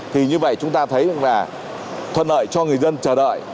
thì như vậy chúng ta thấy là thuận lợi cho người dân chờ đợi